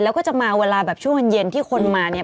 แล้วก็จะมาเวลาแบบช่วงวันเย็นที่คนมาเนี่ย